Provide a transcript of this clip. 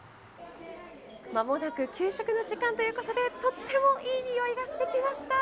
まもなく給食の時間ということでとってもいいにおいがしてきました。